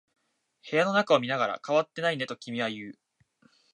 部屋の中を見ながら、変わっていないねと君は言う。